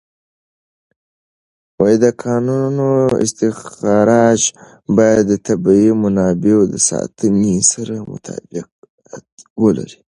د کانونو استخراج باید د طبیعي منابعو د ساتنې سره مطابقت ولري.